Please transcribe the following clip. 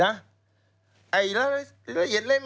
ไอละเล็ก